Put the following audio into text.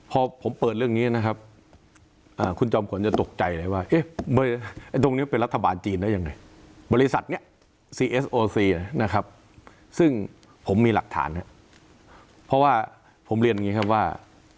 พอผมเปิดเรื่องนี้นะครับคุณจอมขนจะตกใจเลยว่าตรงนี้เป็นรัฐบาลจีนแล้วยังไง